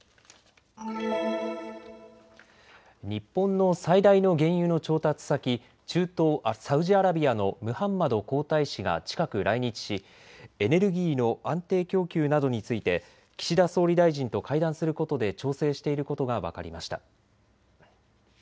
日本の最大の原油の調達先、中東サウジアラビアのムハンマド皇太子が近く来日しエネルギーの安定供給などについて岸田総理大臣と会談することで調整していることが分かりました。